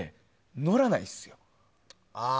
乗らないですよ。